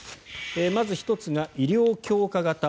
まず１つが医療強化型